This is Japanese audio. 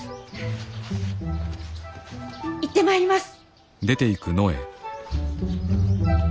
行ってまいります。